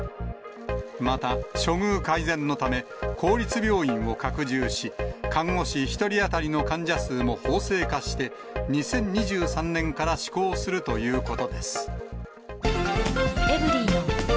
また、処遇改善のため、公立病院を拡充し、看護師１人当たりの患者数も法制化して、２０２３年から施行するということです。